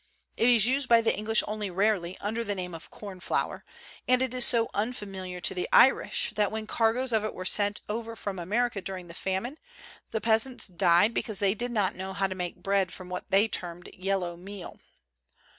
It is used by the English only rarely, under the name of corn flour; and it is so unfamiliar to the Irish that when cargoes of it were sent over from America during the famine, the peasants died because they did not know how to make bread from what they termed "yellow meal."